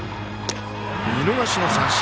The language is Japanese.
見逃しの三振！